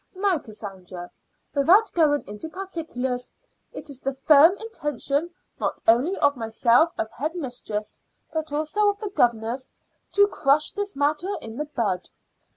Now, Cassandra, without going into particulars, it is the firm intention, not only of myself as head mistress, but also of the governors, to crush this matter in the bud.